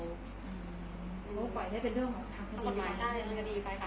แล้วก็ไหวได้เป็นเรื่องของทางคดีไป